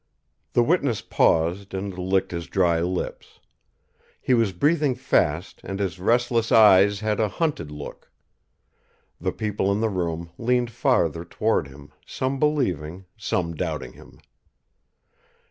The witness paused and licked his dry lips. He was breathing fast, and his restless eyes had a hunted look. The people in the room leaned farther toward him, some believing, some doubting him.